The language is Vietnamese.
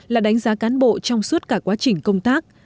là đánh giá cán bộ trong suốt cả quá trình công tác